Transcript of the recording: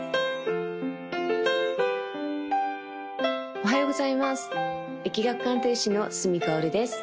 おはようございます易学鑑定士の角かおるです